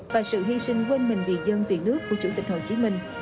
và sự hy sinh quên mình vì dân vì nước của chủ tịch hồ chí minh